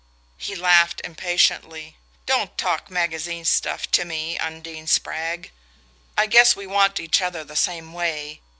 He laughed impatiently. "Don't talk magazine stuff to me, Undine Spragg. I guess we want each other the same way.